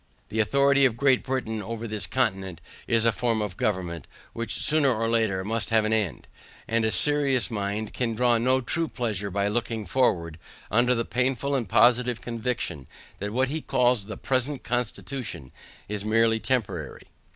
The authority of Great Britain over this continent, is a form of government, which sooner or later must have an end: And a serious mind can draw no true pleasure by looking forward, under the painful and positive conviction, that what he calls "the present constitution" is merely temporary.